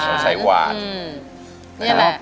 อือสายหวาน